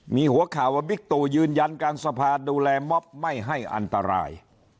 มีหัวข่าวว่าบิ๊กตู่ยืนยันกลางสภาดูแลม็อบไม่ให้อันตราย